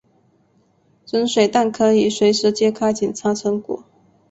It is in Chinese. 蒸水蛋可以随时揭开捡查成果。